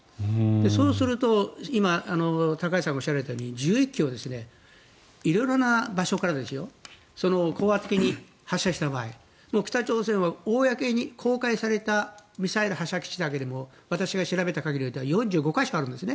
そうすると、今高橋さんがおっしゃられたように１１基を色々な場所から飽和的に発射した場合北朝鮮は公に公開されたミサイル発射基地だけでも私が調べただけで４５か所あるんですね。